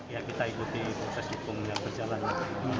ya kita ikuti proses hukum yang berjalan